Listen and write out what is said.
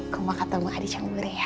aku mau ketemu adik cemburi ya